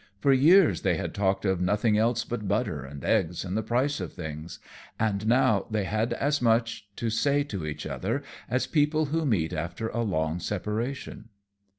For years they had talked of nothing else but butter and eggs and the prices of things, and now they had as much to say to each other as people who meet after a long separation.